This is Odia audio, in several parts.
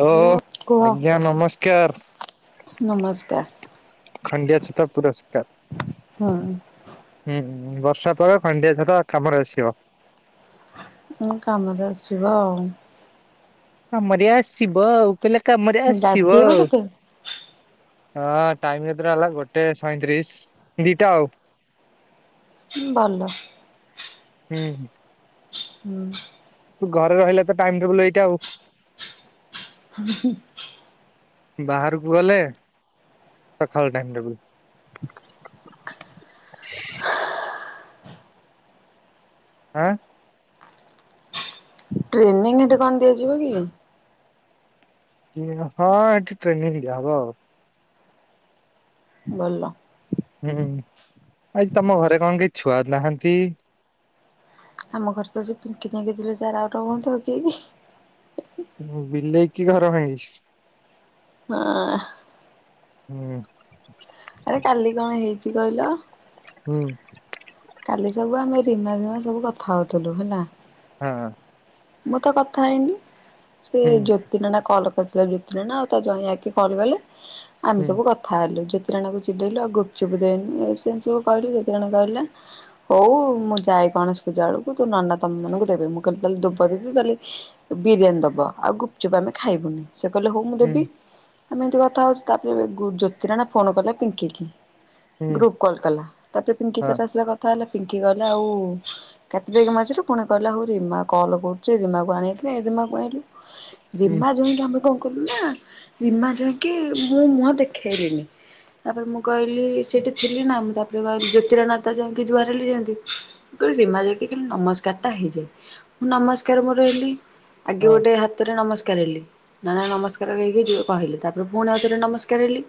ହ୍ୟାଲୋ ଆଜ୍ଞା ନମସ୍କାର ନମସ୍କାର। ଖଣ୍ଡିଆ ଛତା ପୁରସ୍କାର୍ ହୁଁ ହୁଁ ହୁଁ। ବର୍ଷା ପରେ ଖଣ୍ଡିଆ ଛତା କାମରେ ଆସିବ। ମୁଁ କାମ ରେ ଆସିବ ଆଉ। କାମରେ ଆସିବ ଆଉ ପିଲା କାମରେ ଆସିବ ଗାଧେଇବ ଆଉ। କେତେ? ହଁ ଟାଇମ କେତେଟା ହେଲା ଗୋଟେ ସଇଁତିରିଶ ଦିଟା ଆଉ। ଭଲ। ହୁଁ। ହୁଁ। ଘରେ ରହିଲେ ତ ଟାଇମ ଟେବୁଲ ଏଇଟା ଆଉ। ହର୍ହୁ ବାହାରୁକୁ ଗଲେ ସଖାଳ ଟାଇମ ଟେବୁଲ। ଆଁ। ଟ୍ରେନିଂ ଗୋଟେ କଣ ଦିଆଯିବ କି? ହଁ ଏଠି ଟ୍ରେନି ଦିଆ ହବ ଆଉ। ଭଲ। ହୁଁ ଆଜି ତମ ଘରେ କଣ କେହି ଛୁଆ ନାହାନ୍ତି। ଆମ ଘରେ ତ ସେ ପିଙ୍କି ନାଗି ଥିଲେ ଯାର ଆଉଟା ଭଉଣୀ ଥାଉ କିଏକି। ବିଲେଇ କି ଘର ଭାଙ୍ଗି ‌। ହଁ। ହୁଁ। ଆରେ କାଲି କଣ ହେଇଛି କହିଲ। ହୁଁ। କାଲି ସବୁ ଆମେ ରିନା ମୁଁ ସବୁ କଥା ହଉଥିଲୁ ହେଲା। ହଁ। ମୁଁ ତ କଥା ହେଇନି ସେ ହୁଁ ଜ୍ୟୋତି ନାନା କଲ କରି। ଜୋତି ନାନା ଆଉ ତା ଜଁଇ ଆକେ କଲ କଲେ ଆମେ ହୁଁ ସବୁ କଥା ହେଲୁ। ଜୋତି ନାନା କୁ ଚିଡେଇଲୁ ଆଉ ଗୁପଚୁପ ଦେଇନୁ ଇଏ ସିଏ ଏମିତି ସବୁ କହିଲୁ ଜୋତି ନାନା କହିଲା ହଉ ମୁଁ ଯାଏ। ଗଣେଷ ପୂଜା ବେଳକୁ ତୋ ନାନା ତମ ଦିଜଣ କୁ ଦେବେ ମୁଁ କିଇଲି ତାହେଲେ ଦ କରିବୁ ତାହେଲେ ବିରିୟାନି ଦବ ଆଉ ଗୁପଚୁପ ଆମେ ଖାଇବୁନି ସେ କହିଲେ ହଉ ମୁଁ ହୁଁ ଦେବି। ଆମେ ଏମିତି କଥା ହଉଛୁ ତାପରେ ଜ୍ୟୋତି ନାନା ଫୋନ କଲେ ପିଙ୍କିି କି। ହୁଁ ଗ୍ରୁପ କଲ୍ କଲା ତାପରେ ପିଙ୍କିି ହଁ ତାର ଆସିଲା କଥା ହେଲା। ପିଙ୍କି କଇଲା ଆଉ କାଟି ଦେଇକି ମଝିରୁ ପୁଣି କହିଲା ହଉ ରିମା କଲ୍ କରୁ ରୁଚି ରିମାକୁ ଆଣିବାକି ରିମା କୁ ଆଣିଲୁ ହୁଁ। ରୀମା ଯଇଁ କି ଆମେ କଣ। କୁଲୁନା ରୀମା ଯାଇକି ମୁଁ ମୁହଁ ଦେଖେଇ ଲିନି। ତାପରେ ମୁଁ କହିଲି ସେଠି ଥିଲି ନା ମୁଁ ତାପରେ ଗଲି ଜ୍ୟୋତି ନାନା ଆଉ ତା ଜଇ କି ଯୁହାର ହେଲି ଯେମତି। କଇଲି ରୀମା ଯାଇକି କେମିତି ନମସ୍କାର ଟା ହେଇଯାଏ ମୁଁ ନମସ୍ ତରେ ମୁଁ ରହିଲି ଆଗେ ହଁ ଗୋଟେ ହାତରେ ନମସ୍ ସ୍କାର ହେଲି ନନା ନମସ୍କାର ହେଇକି ଯୁ କହିଲି ତାପରେ ପୁଣି ଆଉଥରେ ନମସ୍କାର ହେଲି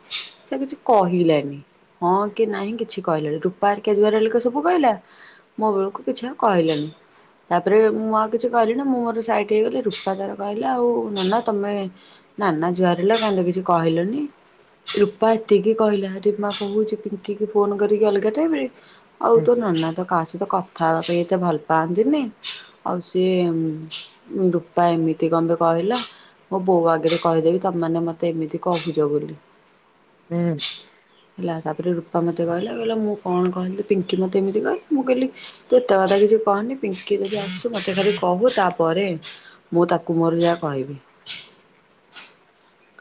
ସେ ଆଉ କିଛି କହି ଲାନୀ। ହଁ କି ନାହିଁ କିଛି କହିଲେନି ରୂପା ଘରିକା ଜୁହାର ବେଳକୁ ସବୁ କହିଲା ମୋ ବେଳକୁ କିଛି ଆଉ କହିଲେନି। ତାପରେ ମୁଁ ଆ କିଛି କହିଲିନୀ ମୁଁ ମୋର ସାଇଟ ହେଇଗଲି ରୂପା ତାର କହିଲା ଆଉ ନାନା ତମେ ନାନା ଜୁହର ହେଲା କାଇଁ। ତ କିଛି କହିଲନି। ରୂପା ଏତିକି କହିଲା ରୀମା କହୁଛି ପିଙ୍କିି କି ଫୋନ କରିକି ଅଲଗା ଟାଇମ ରେ। ଆଉ ହୁଁ ତୋ ନନା ତ କାହା ସହିତ କଥା ହେବା ପାଇଁ ଏତେ ଭଲ ପାଆନ୍ତିନି ଆଉ ସେ। ସିଏ ରୂପା ଏମିତି କଣ ବେ କହିଲା। ମୋ ବୋଉ ଆଗରେ କହିଦେବି ତମେ ମାନେ ମତେ ଏମିତି କହିଛ ବୋଲି। ହୁଁ। ହେଲା ତାପରେ ରୂପା ମତେ କହିଲା କହିଲା ମୁଁ କଣ କହିଲି ପିଙ୍କି ମତେ ଏମିତି କହିଲା ମୁଁ କହିଲି ତୁ ଏତେ କଥା କିଛି। କହନି ପିଙ୍କ ଦିଦି ଆସୁ। ମତେ ଖାଲି କହୁ ତାପରେ ମୁଁ ତାକୁ ମୋର ଯାହା କହିବି।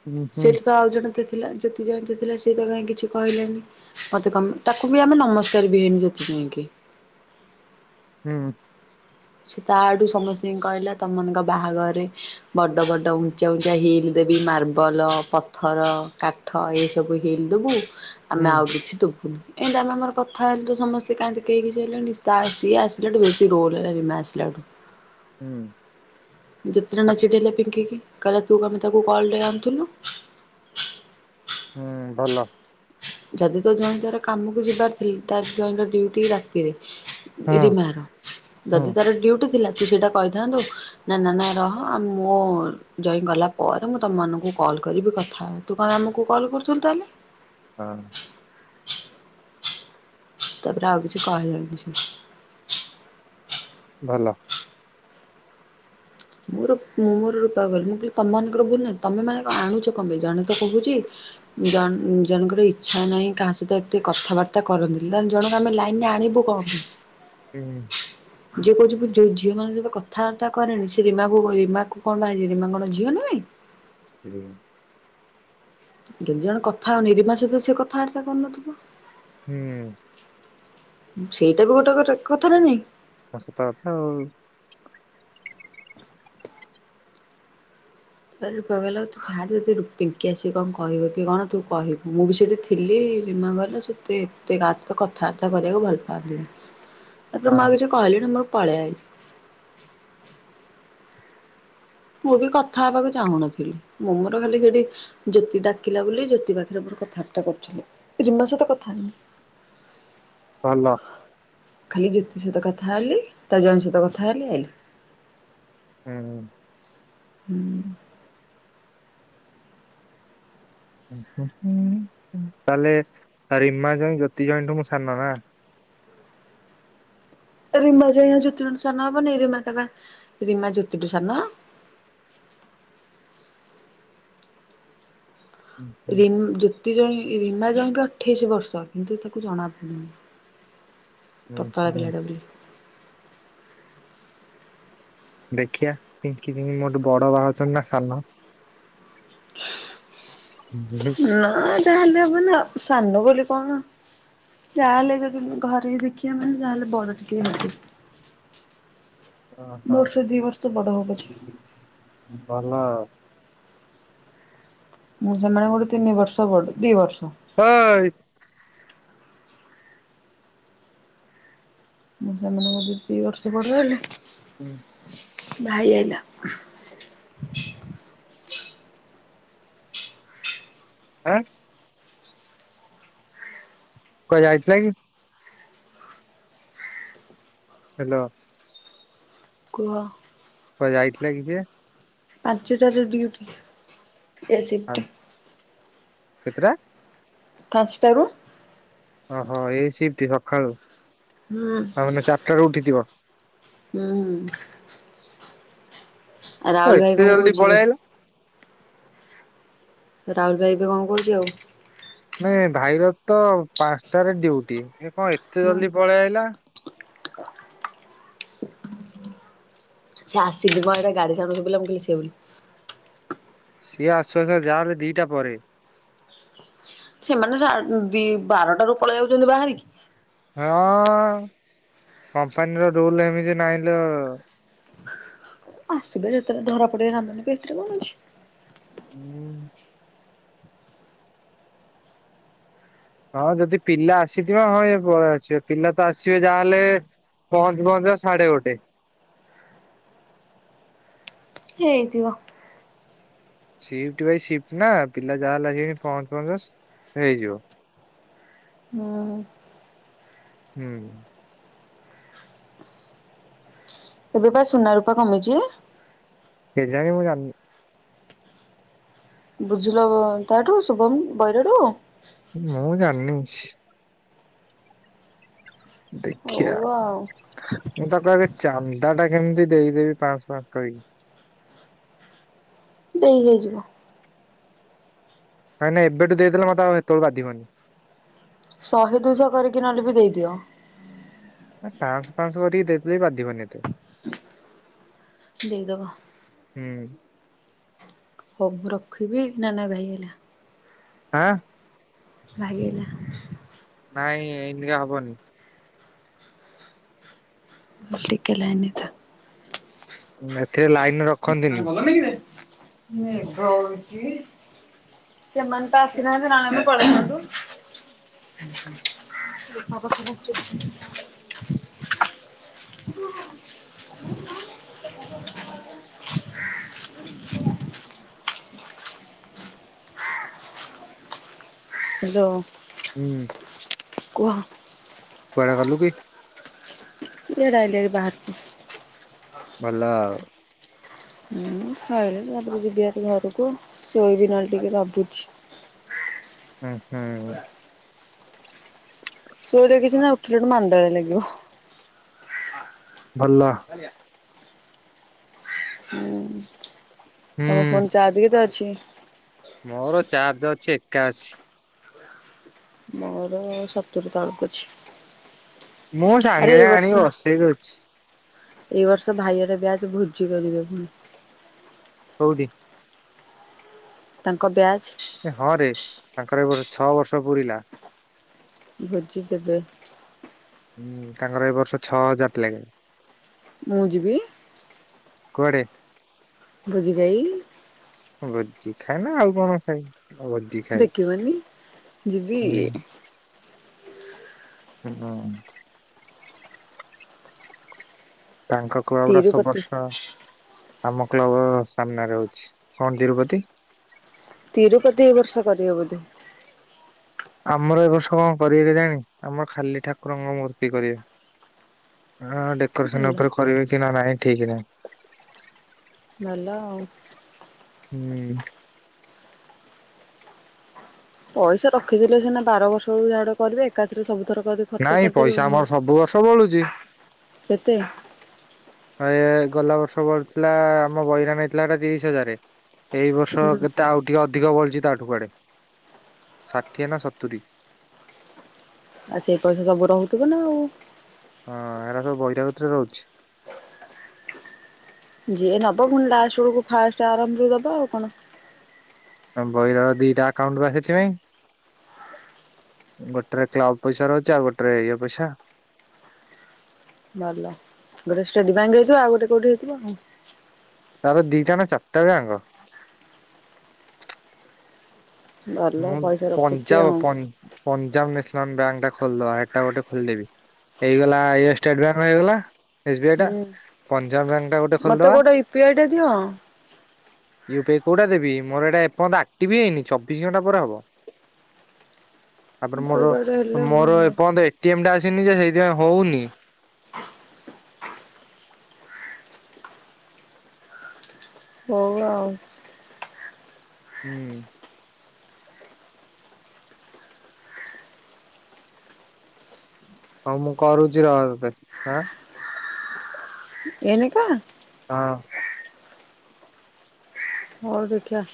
ହୁଁ ହୁଁ ସେଟି ତ ଆଉ ଜଣେ ତ ଥିଲା ଜ୍ୟୋତି ଯଇଁ ତ ଥିଲା। ସେ ତ କାହିଁ କିଛି କହି ଲେନି ମତେ କମ ତାକୁ ବି ଆମେ ନମସ୍କାର ବି ହେଇନୁ ଯୋତି ଜଇଁ କି। ହଁ ହୁଁ। ସେ ତା ଆଡୁ ସମସ୍ତିଙ୍କି କହିଲା ତମ ମାନଙ୍କ ବାହାଘର ରେ ବଡ ବଡ ଉଞ୍ଚା ଉଞ୍ଚା ହିଲ୍। ଦେବି ମାର୍ବଲ ପଥର କାଠ ଏସବୁ ହିଲ୍ ଦବୁ। ହୁଁ ଆମେ ଆଉ କିଛି ଦୁଖୁନି ଏତି ଆମେ ଆମର କଥା ହେଲୁ ସମସ୍ତେ କାହିଁ ତ କେହି କିଛି ହେଲେନି ତା ସିଏ ଆସିଲା ଠୁ ବେଶୀ ରୋଲ ହେଲା ରିନା ଆସିଲାଠୁ। ହୁଁ ଯେତେ ଜଣ ଆ ଚିଡେଇଲେ ପିଙ୍କିକି। କହିଲେ ତୁ କଣପାଇଁ ତାକୁ କଲରେ ଆଣୁଥିଲୁ। ହୁଁ ଭଲ। ଯଦି ତୋ ଜ୍ୱାଇଁ ପୁଅର କାମକୁ ଯିବାର ଥିଲ ତା ଜ୍ୱାଇଁର ଡ୍ୟୁଟି ରାତିରେ। ହଁ ଇରେ ମା ର ହଁ ଯଦି ତାର ଡ଼ିଉଟି ଥିଲା ତୁ ସେଇଟା କହି ନ୍ତୁ ନା ନା ନା ରହ ମୋ ଜ୍ୱାଇଁ ଗଲା ପରେ ମୁଁ ତମମାନଙ୍କୁ କଲ୍ କରିବି କଥା ଥା ହେବ। ତୁ କାଇ ଆମକୁ କଲ୍ କରୁଥିଲୁ ତାହେଲେ। ହଁ, [inaudible] ତାପରେ ଆଉ କିଛି କହିଲାନି କିଛି। ଭଲ। ମୋର ମୁଁ ମୋର ରୂପା କୁ କହଲି ମୁଁ କହିଲି ତମମାନଙ୍କର ଭୁଲ ନାହିଁ, ତମେ ମାନେ ଆଣୁଛ କଣପାଇ ଜାଣୁଛ ତ କହୁଛି। ଜ ଜଣଙ୍କର ଇଚ୍ଛା ନାହିଁ କାହା ସହିତ ଏତେ କଥାବାର୍ତ୍ତା କରନ୍ତିନି। ଯା ଜଣକ ଆମେ ଲାଇନ ରେ ଆ ଣିବୁ କଣ ପାଇଁ। ହୁଁ ଯିଏ କହୁଛି ଯୋଉ ଝିଅ ମାନଙ୍କ ସହିତ କଥାବାର୍ତ୍ତା କରେଣି ସେ ରିମା ବୋ କଣ ରିମାକୁ କଣ ପାଇଁ ରୀମା କଣ ଝିଅ ନୁହେଁ। [unintelligible] କେନ୍ ଜଣ କଥା ହଉନି ରିମା ସହିତ ସେ କଥାବାର୍ତା କରୁନଥିବ। ଉ ହୁଁ ସେଇଟା ବି ଗୋଟେ କ କଥା ଟେ ନାଇଁ। ଆ ସତ କଥା ଆଉ। ଆ ରୁପା କହିଲା ତୁ ଛାଡେ ଯଦି ପିଙ୍କି ଆସିକି କଣ କହିବ କି କଣ ତୁ କହିବୁ। ମୁଁ ବି ସେଠି ଥିଲି-ଇ-ଇ। ରିମା କହିଲା ସେତେ ଏତେ କାହା ସହିତ କଥାବାର୍ତ୍ତା କରିବାକୁ ଭଲ ପାଆନ୍ତିନି। ତାପରେ ମୁଁ ଆଉ କିଛି କହିଲିନି ମୁଁ ପଳେଇ ଆଇଲି। ମୁଁ ବି କଥା ହବାକୁ ଚାହୁଁନଥିଲି। ମୁଁ ମୋର ଖାଲି ସେଠି ଜ୍ୟୋତି ଡାକିଲା ବୋଲି ଜ୍ୟୋତି ପାଖରେ ବ କଥାବାର୍ତା କରୁଥିଲେ, ରିମା ସହିତ କଥା ହେଇନି। ହ୍ୟାଲୋ, ଖାଲି ଜ୍ୟୋତି ସହିତ କଥା ହେଲି, ତା ଜ୍ୱାଇଁ ସହିତ କଥା ହେଲି ଆଇଲି। ହୁଁ। ହୁଁ। ଉ-ଉ-ଉ ତାହେଲେ ରିମା ଜ୍ୱାଇଁ ଜ୍ୟୋତି ଜ୍ୱାଇଁଠୁ ସାନ ନା। ହ ରିମା ଜ୍ୱାଇଁ ଜୋତିଠୁ ସାନ ହବନି ରିମାଟା ରିମା ଜୋତିଠୁ ସାନ। [inaudible] ହୁଁ ହୁଁ ରିମ୍ ଜ୍ୟୋତି ଜ୍ୱାଇଁ ରୀମା ଜ୍ୱାଇଁ କୁ ଅଠେଇଶି ବର୍ଷ କିନ୍ତୁ ତାକୁ ଜଣା ପଡ଼ୁନି। ହୁଁ ପତଳା ହୁଁ ପିଲା ଟା ବୋଲି। ଦେଖିଆ ପିିଙ୍କି କେମିତି ମୋଠୁ ବଡ ବାହା ହୋଉଛନ୍ତି ନା ସାନ। ନାଁ ଯାହେଲେ କଣ ନାଁ ସାଙ୍ଗ ବୋଲି କଣ ଯାହା ହେଲେ ବି ଯଦି ଘରେ ଦେଖୀବେ ମାନେ ଯାହା ହେଲେ ବଡ଼ ଟିକେ ହୋଉଥିବା। ଓ ହ ପଛେ ଭଲ। ମୁଁ ସେମାନଙ୍କ ଠୁ ତିନି ବର୍ଷ ବଡ଼ ଦି ବର୍ଷ। ହଁ-ଅ-ଅ-ଅ-ଏ। ମୁଁ ସେମାନଙ୍କଠୁ ଦି ବର୍ଷ ପଡ ହେଲେ ହୁଁ। ଭାଇ ଆଇଲା। ଆଁ କୁଆଡେ ଯାଇଥିଲା କି? ହ୍ୟାଲୋ, କୁହ। କୁଆଡ଼େ ଯାଇଥିଲା କି ସିଏ? ଆଜି ତାର ଡ୍ୟୁଟି ଏ ଆଉ ସିଫ୍ଟ୍। କେତେଟା? ପାଞ୍ଚଟା [unintelligible] ଓହୋ ଏ ସିପ୍ଟି ସକାଳୁ ତା ମାନେ ଚାରିଟା ରୁ ଉଠିଥିବ। ହୁଁ ହୁଁ। କଣ ରାହୁଲ ଭାଇ ଏତେ ଜଲଦି କହୁଛି ଏବେ? ପଳେଇ ଆଇଲ? ରାଉଲ ଭାଇ ଏବେ କଣ କରୁଚି ଆଉ? ନାଇଁ ଭାଇ ର ତ ପାଞ୍ଚଟାରେ ଡ୍ୟୁଟି ଏ କଣ ଏତେ ହୁଁ ଜଲଦି ପଳେଇ ଆଇଲା? [inaudible] ସେ ଆସିନି ମ ଏଇଟା ଗାଡ଼ି ସାଉଣ୍ଡୁ ଶୁଭିଲା ମୁଁ କହିଲି ସିଏ ବୋଲି। ସିଏ ଆସୁ ଆସୁ ଯାହେଲେ ଦିଟା ପରେ। ସେମାନେ [unintelligible] ବାରଟାରୁ ପଳେଇ ଆଉଛନ୍ତି ବାହାରିକି। ହଁ କମ୍ପାନୀର ରୁଲ୍ ଏମିତି ନାହିଁଲୋ। ଆସିବେ ଯେତେବେଳେ ଧରା ପଡ଼ିବେ ନାମ ନେବେ ଏଥିରେ କଣ ଅଛି। ହୁଁ। ହଁ ଯଦି ପିଲା ଆସିଥିବେ ହଁ ଇଏ ପଳେଇ ଆସିବ ପିଲା ତ ଆସିବେ ଯାହାହେଲେ ପହଞ୍ଚୁ ପହଞ୍ଚୁ ତ ସାଢ଼େ ଗୋଟେ। ହେଇଥିବ। ସିପ୍ଟ ପାଇଁ ସିପ୍ଟ ନା ପିଲା ଯାହା ହେଲେ [unintelligible] ପହଂଚୁ ପହଂଚୁ ହେଇଯିବ। ହୁଁ। ହୁଁ। ଏବେ ବା ସୁନା ରୂପା କମିଚି? [unintelligible] ମୁଁ ଜାଣିନି। ବୁଝିଲ ତାଠୁ ଶୁଭମ୍ [unintelligible] ମୁଁ ଜାଣିନି କିଛି। ହଉ ଦେଖିଆ ଆଉ ମୁଁ ତାକୁ ଆଗେ ଚାନ୍ଦା ଟା ଏମିତି ଦେଇ ଦେବି ପାଁଆସ ପାଁଆସ କରିକି। ଦେଇ [unintelligible] ନାଇଁ ନାଇଁ ଏବେଠୁ ଦେଇଦେଲେ ମତେ ଆଉ ହେତେବେଳକୁ ବାଧିବନି। ଶହେ ଦୁଇଶହ କରିକି ନହେଲେ ବି ଦେଇଦିଅ। ପାଁଆସ ପାଁଆସ କରିକି ଦେଇଦେଲେ ବି ବାଧିବନି ଏତେ। ଦେଇଦେବ। ହୁଁ। ହଉ ମୁଁ ରଖିବି ନା ନା ଭାଇ ହେଲା। ଆଁ। ଭାଇ ଆଇଲା। ନାଇଁ ଏଇନିକା ହବନି। [unintelligible] ଟିକେ ଲାଇନି ରେ ଥା। ଏଥିରେ ଲାଇନ୍ ରେ ରଖନ୍ତିନି। ମେଘ ହଉଚି? ସେମାନେ ପା ଆସି ନାହାନ୍ତି ନହେଲେ ଆମେ ପଳେଇଥାନ୍ତୁ। [unintelligible] [inaudible] [inaudible] ହାଲୋ। ହୁଁ କୁହ। କୁଆଡ଼େ ଗଲୁ କି? ଇଆଡ଼େ ଆଇଲିଣି ବାହାରକୁ। ଭଲ ଆଉ। ହୁଁ ଖାଇଲେ ତାପରେ ଯିବି ଆ ଘରକୁ ଶୋଇବି ନହେଲେ ଟିକେ ଭାବୁଛି [inaudible] ହୁଁ ହୁଁ ଶୋଇଲେ କିଛି ନାଇଁ ଉଠିଲେ ମାଣ୍ଡାଳିଆ ଲାଗିବ। ଭଲ ହୁଁ ତମ ଫୋନ ଚାର୍ଜ ବି ତ ଅଛି। ମୋର ଚାର୍ଜ ଅଛି ଏକାଅଶି। ମୋର ସତୁରୀ ତଳକୁ ଅଛି। ମୁଁ ସାଙ୍ଗେ ସାଙ୍ଗେ ଆଣିକି ବସେଇକ ଅଛି। ଏ ବର୍ଷ ଭାଇଘର ବ୍ୟାଚ ଭୋଜି କରିବେ। ହଉ ଦେଖିବା। ତାଙ୍କ ବ୍ୟାଚ ହଁରେ ତାଙ୍କର ଏ ଛଅ ବର୍ଷ ପୁରିଲା। ଭୋଜିଦେବେ ହୁଁ ତାଙ୍କର ଏ ବର୍ଷ ଛଅ ହଜାର ଥିଲାଗେ [inaudible] ମୁଁ ଯିବି। କୁଆଡେ? ଭୋଜି ଖାଇ। ଭୋଜି ଖାଇ ନା ଆଉ କଣ ଖାଇ ଭୋଜି ଖାଇ ଦେଖିବନି ଯିବି ହୁଁ। ସେ [inaudible] ତାଙ୍କ କ୍ଲବ ର ସବୁ ତିରୁପତି ବର୍ଷ ଆମ କ୍ଲବ ସାମ୍ନାରେ ହଉଛି କଣ ତିରୁପତି ତିରୁପତି ଏ ବର୍ଷ କରିବ ବୋଧେ। ଆମର ଏବ ବର୍ଷ କଣ କରିବେ କେଜାଣି ଆମର ଖାଲି ଠାକୁରଙ୍କ ମୂର୍ତ୍ତି କରିବେ। ହଁ ଭଲ ଡେକୋରେସନ ଉପରେ କରିବେ କି ନା ନାଇଁ ଠିକ ନାହିଁ। ଭଲ ହୁଁ ପଇସା ରଖିଥିଲେ ସିନା ଆର ବର୍ଷକୁ ଯାହା କରିବେ ଏକାଥରେ ସବୁ ଏଥର ଯଦି ଖର୍ଚ୍ଚ ନାଇଁ କରିଦେବେ ପଇସା କୁହଁ ଆମର ସବୁ ବର୍ଷ ବଳୁଛି କେତେ ଏ ଗଲା ବର୍ଷ ବଳିଥିଲା ଆମ ବହି ନେଇଥିଲା ତିରିଶ ହଜାରରେ ଏଇ ବର୍ଷ ହୁଁ କେତେ ଆଉ ଟିକେ ଅଧିକ ବଳିଛି ତାଠୁ ଷାଠିଏ ନା ସତୁରି। ଆଉ ସେଇ ପଇସା ସବୁ ରହୁଥିବ ନା ଆଉ ହଁ ଏରା ସବୁ ବହିରେ ରହୁଛି। ଯିଏ ନବ ପୁଣି ଲାଷ୍ଟ ବେଳକୁ ଫାଷ୍ଟ ଆରମ୍ଭ ରୁ ଦବ ଆଉ କଣ। ବହିର ର ଦିଟା ଆକାଉଣ୍ଟରୁ ସେଥିପାଇଁ। ଗୋଟେରେ କ୍ଲବ ପଇସା ରହୁଛି ଆଉ ଗୋଟେରେ ଇଏ ପଇସା। ଭଲ ଗୋଟେ ଷ୍ଟେଡ଼ ବ୍ୟାଙ୍କ ହେଇଥିବ ଆଉ ଗୋଟେ କୋଉଠି ହେଇଥିବ ଆଉ। ତାର ଦିଟା ନା ଚାରିଟା ବ୍ୟାଙ୍କ। ଭଲ ମୁଁ ପଇସା ରଖୁଛି ପଞ୍ଜାବ ଆଉ ପଞ୍ଜାବ ନେ ନେସନାଲ ବ୍ୟାଙ୍କ ଟା ଖୋଲିଦେବା ଏଟା ଗୋଟେ ଖୋଲି ଦେବି ହେଇଗଲା ଷ୍ଟେଡ଼ ବ୍ୟାଙ୍କ ଟା ହେଇଗଲା ଏସ ବି ଆଇ ଟା ହୁଁ ପଞ୍ଜାବ ବ୍ୟାଙ୍କ ଟା ଗୋଟେ ମତେ ଖୋଲିଦବା ଗୋଟେ ୟୁପିଆଇ ଟା ଦିଅ ୟୁି ପି ଆଇ କୋଉଟା ଦେବି ମୋର ଏଇଟା ଏପର୍ଯ୍ୟନ୍ତ ଆକ୍ଟିଭ ହେଇନି ବ ତାପରେ ମୋର କୋଉଟା ଗୋଟେ ହେଲେ ହୁଅନ୍ତା ମୋରନ୍ତ [inaudible] ନିଜେ ସେଇଥିପାଇଁ ହଉନି। ହଉ ଆଉ। ହୁଁ ହଁ ମୁଁ କରୁଛି ରହ ତତେ ଏଇନିକା ହଁ ହଉ ଦେଖିଆ।